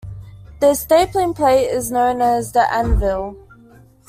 The stapling plate is known as the anvil.